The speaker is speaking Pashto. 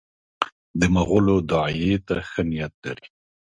د مغولو داعیې ته ښه نیت لري.